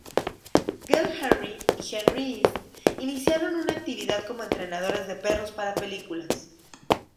Gale Henry y Henry East, iniciaron una actividad como entrenadores de perros para películas.